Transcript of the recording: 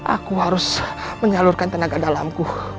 aku harus menyalurkan tenaga dalamku